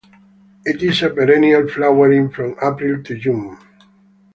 It is a perennial, flowering from April to June.